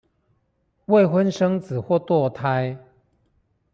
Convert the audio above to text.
未婚生子或墮胎